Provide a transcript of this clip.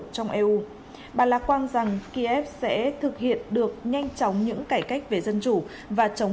trong eu bà lạc quang rằng kiev sẽ thực hiện được nhanh chóng những cải cách về dân chủ và chống